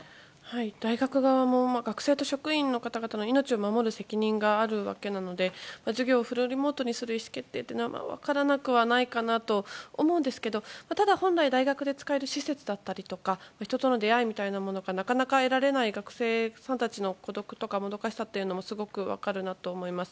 大学側も学生と職員の方々の命を守る責任があるわけなので、授業をフルリモートにする意思決定は分からなくはないかなと思うんですけどただ、本来大学で使える施設だったりとか人との出会いみたいなものがなかなかない中での学生さんたちの孤独とかもどかしさというのもすごく分かるなと思います。